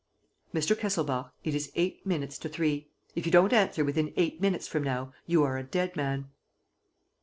"Mr. Kesselbach, it is eight minutes to three. If you don't answer within eight minutes from now, you are a dead man!"